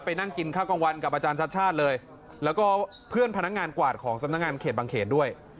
นั่งกินข้าวกลางวันกับอาจารย์ชัดชาติเลยแล้วก็เพื่อนพนักงานกวาดของสำนักงานเขตบางเขตด้วย